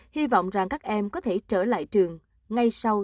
hy vọng rằng các em có thể trở lại trường ngay sau tết thật an toàn